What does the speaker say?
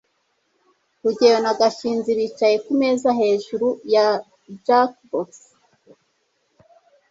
rugeyo na gashinzi bicaye kumeza hejuru ya jukebox